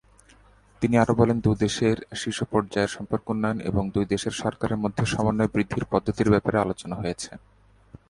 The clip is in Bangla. তিনি আরও বলেন, দুই দেশের শীর্ষ পর্যায়ের সম্পর্ক উন্নয়ন এবং দুই দেশের সরকারের মধ্যে সমন্বয় বৃদ্ধির পদ্ধতির ব্যাপারে আলোচনা হয়েছে।